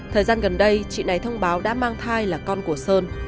thời gian gần đây chị này thông báo đã mang thai là con của sơn